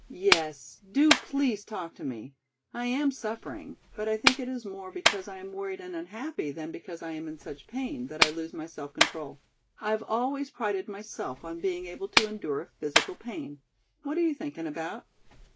"Yes, do please talk to me, I am suffering, but I think it is more because I am worried and unhappy than because I am in such pain that I lose my self control. I have always prided myself on being able to endure physical pain. What are you thinking about?"